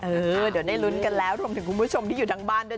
เออเดี๋ยวได้ลุ้นกันแล้วรวมถึงคุณผู้ชมที่อยู่ทางบ้านด้วย